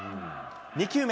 ２球目。